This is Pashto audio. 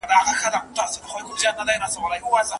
ایا د اجناسو بیې اسمان ته ختلې دي؟